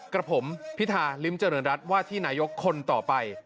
กับผมพิธาริมเจริญรัฐว่าที่นายกคนต่อไป